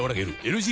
⁉ＬＧ